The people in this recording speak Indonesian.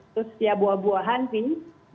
terus ya buah buahan sih